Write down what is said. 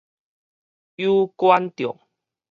有關著